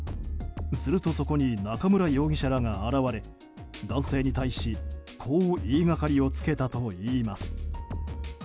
すると、そこに中村容疑者らが現れ男性に対し、こう言いがかりをつけたといいます。